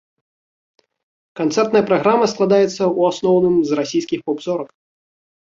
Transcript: Канцэртная праграма складаецца, у асноўным, з расійскіх поп-зорак.